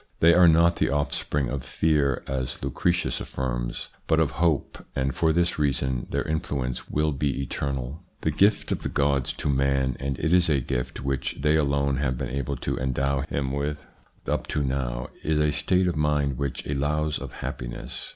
They are not the offspring of fear, as Lucretius affirms, but of hope, and for this reason their influence will be eternal. The gift of the gods to man, and it is a gift which they alone have been able to endow him with up to now, is a state of mind which allows of happiness.